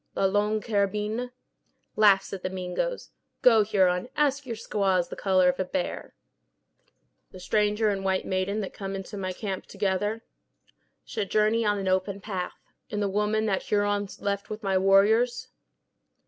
"La Longue Carabine?" "Laughs at the Mingoes. Go, Huron, ask your squaws the color of a bear." "The stranger and white maiden that come into my camp together?" "Should journey on an open path." "And the woman that Huron left with my warriors?"